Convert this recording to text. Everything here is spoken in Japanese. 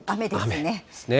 雨ですね。